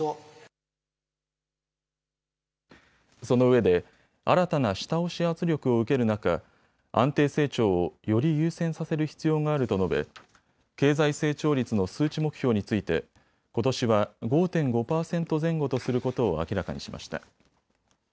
そのうえで新たな下押し圧力を受ける中、安定成長をより優先させる必要があると述べ経済成長率の数値目標についてことしは５．５％前後とすることを明らかにしました。